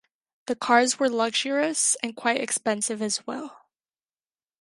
The cars were luxurious, and quite expensive as well.